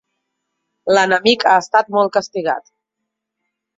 L'enemic ha estat molt castigat.